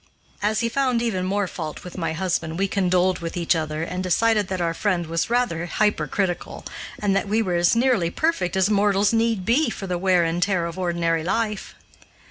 As he found even more fault with my husband, we condoled with each other and decided that our friend was rather hypercritical and that we were as nearly perfect as mortals need be for the wear and tear of ordinary life.